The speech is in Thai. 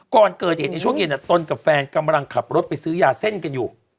ก่อนเกิดเหตุในช่วงเย็นตนกับแฟนกำลังขับรถไปซื้อยาเส้นกันอยู่